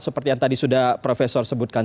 seperti yang tadi sudah profesor sebutkan